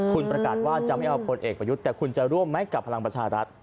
คุณประกาศว่าจะไม่เอาพลเอกประยุทธ์แต่คุณจะร่วมไหมกับพลังประชารัฐ